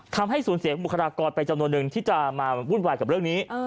ทำให้สูญเสียบุคลากรไปจำนวนหนึ่งที่จะมาวุ่นวายกับเรื่องนี้